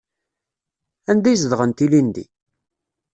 Anda ay zedɣent ilindi?